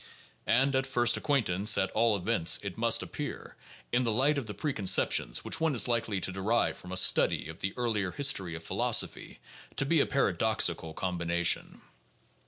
And at first acquaintance, at all events, it must appear, in the light of the preconceptions which one is likely to de rive from a study of the earlier history of philosophy, to be a para doxical combination.